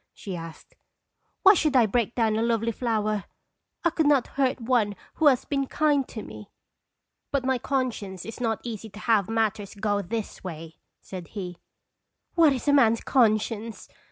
she asked. "Why should I break down a lovely flower? I could not hurt one who has been kind to me." " But my conscience is not easy to have matters go this way," said he. "What is a man's conscience?"